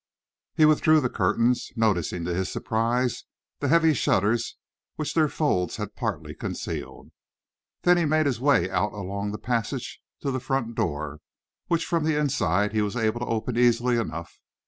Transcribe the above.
He withdrew the curtains, noticing, to his surprise, the heavy shutters which their folds had partly concealed. Then he made his way out along the passage to the front door, which from the inside he was able to open easily enough.